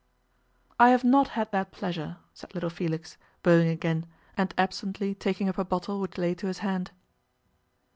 'I have not had that pleasure,' said little Felix, bowing again, and absently taking up a bottle which lay to his hand.